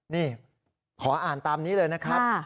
นี่ขออ่านตามนี้เลยนะครับ